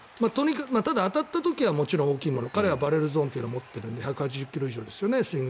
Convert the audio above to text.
ただ、当たった時はもちろん大きいもの彼はバレルゾーンというものを持っているので１８０ｋｍ以上ですよね。